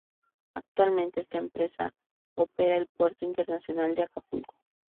Actualmente esta empresa opera el Puerto Internacional de Acapulco.